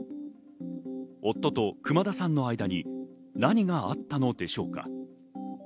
夫と熊田さんの間に何があったのでしょうか。